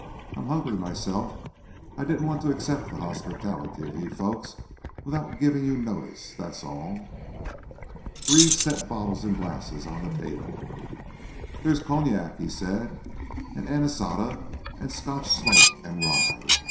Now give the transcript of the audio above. "I'm hungry myself. I didn't want to accept the hospitality of you folks without giving you notice; that's all." Reeves set bottles and glasses on the table. "There's cognac," he said, "and anisada, and Scotch 'smoke,' and rye.